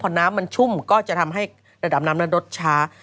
พอน้ำมันชุ่มก็จะทำให้ระดับน้ำนั้นลดช้า